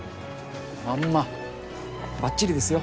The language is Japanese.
まんまばっちりですよ。